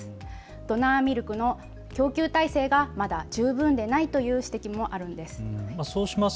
ドナーミルクの供給体制がまだ十分でないという指摘もあるんです。